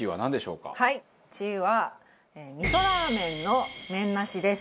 １位は味噌ラーメンの麺なしです。